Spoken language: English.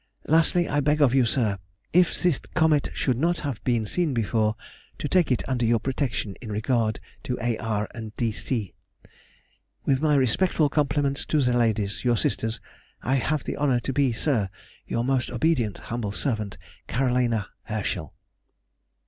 Lastly, I beg of you, sir, if this comet should not have been seen before, to take it under your protection in regard to A. R. and D. C. With my respectful compliments to the ladies, your sisters, I have the honour to be, Sir, Your most obedient, humble servant, CAR. HERSCHEL.